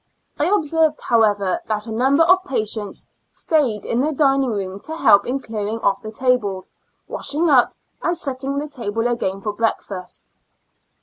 I observed, however, that a number of patients staid in the dining room to help in clearing off the table, washing up, and setting the table again for breakfast.